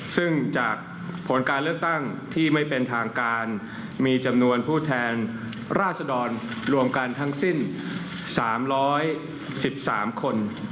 ซึ่งจากผลการเลือกตั้งที่ไม่เป็นทางการมีจำนวนผู้แทนราษดรรวมกันทั้งสิ้น๓๑๓คน